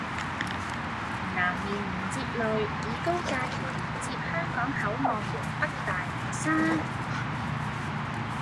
南面連接路以高架橋連接香港口岸和北大嶼山